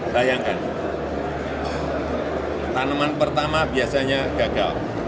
bayangkan tanaman pertama biasanya gagal